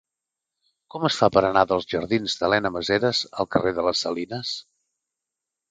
Com es fa per anar de la jardins d'Elena Maseras al carrer de les Salines?